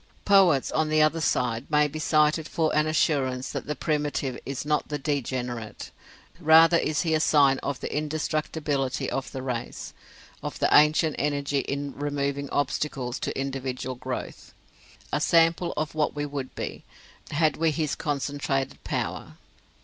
Poets on the other side may be cited for an assurance that the primitive is not the degenerate: rather is he a sign of the indestructibility of the race, of the ancient energy in removing obstacles to individual growth; a sample of what we would be, had we his concentrated power.